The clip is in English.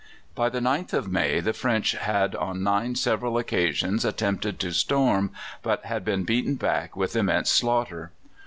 By the 9th of May the French had on nine several occasions attempted to storm, but had been beaten back with immense slaughter.